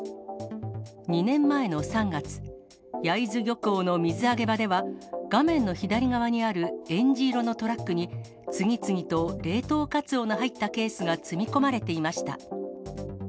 ２年前の３月、焼津漁港の水揚げ場では、画面の左側にあるえんじ色のトラックに、次々と冷凍カツオの入ったケースが積み込まれていました。